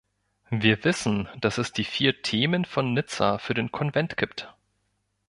Wir wissen, dass es die vier Themen von Nizza für den Konvent gibt.